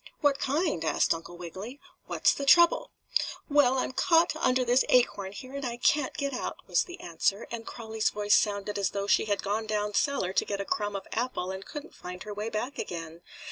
"What kind?" asked Uncle Wiggily. "What's the trouble?" "Why, I'm caught under this acorn here and I can't get out," was the answer, and Crawlie's voice sounded as though she had gone down cellar to get a crumb of apple and couldn't find her way back again.